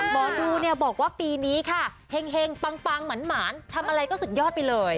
หมอดูเนี่ยบอกว่าปีนี้ค่ะเห็งปังหมานทำอะไรก็สุดยอดไปเลย